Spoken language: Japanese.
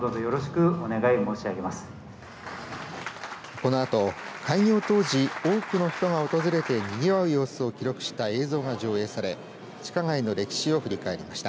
このあと、開業当時多くの人が訪れてにぎわう様子を記録した映像が上映され、地下街の歴史を振り返りました。